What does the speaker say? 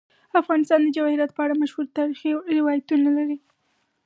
افغانستان د جواهرات په اړه مشهور تاریخی روایتونه لري.